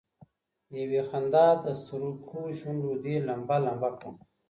يوې خندا د سركو شونډو دي لمبه، لــمــبــه كړم